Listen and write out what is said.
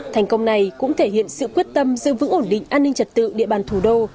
thành công này cũng thể hiện sự quyết tâm giữ vững ổn định an ninh trật tự địa bàn thủ đô